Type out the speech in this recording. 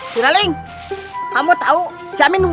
selasi selasi bangun